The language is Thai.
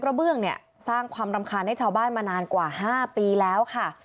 เบื้องเนี่ยสร้างความรำคาญให้ชาวบ้านมานานกว่า๕ปีแล้วค่ะ